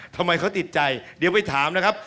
ทำไมเขาติดใจเดี๋ยวไปถามนะครับ